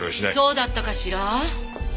そうだったかしら。